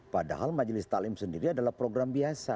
padahal majelis ta'lim sendiri adalah program biasa